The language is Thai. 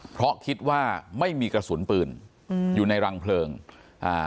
เพราะคิดว่าไม่มีกระสุนปืนอืมอยู่ในรังเพลิงอ่า